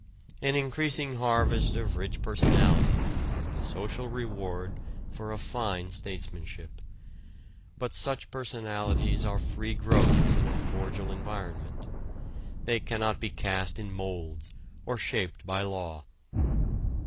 An increasing harvest of rich personalities is the social reward for a fine statesmanship, but such personalities are free growths in a cordial environment. They cannot be cast in moulds or shaped by law.